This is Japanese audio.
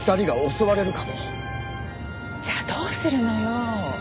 じゃあどうするのよ？